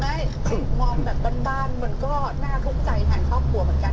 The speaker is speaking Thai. นอนแบบบ้านมันก็น่าทุกข์ใจแทนครอบครัวเหมือนกัน